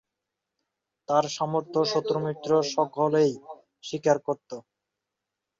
তার সামর্থ্য শত্রু মিত্র সকলেই স্বীকার করত।